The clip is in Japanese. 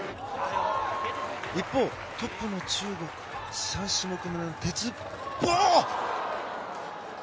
一方、トップの中国は３種目めの鉄棒。